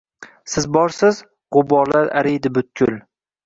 Siz borsiz – g’uborlar ariydi butkul